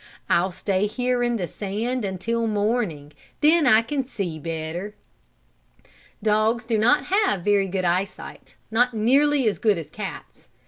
I'll stay here in the sand until morning, then I can see better." Dogs do not have very good eyesight not nearly as good as cats.